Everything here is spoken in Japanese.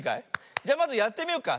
じゃまずやってみよっか。